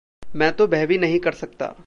मैं तो वह भी नहीं कर सकता।